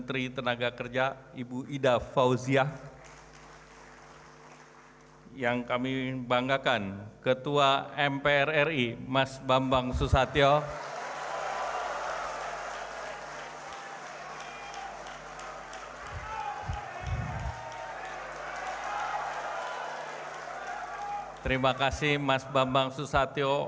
terima kasih mas bambang susatyo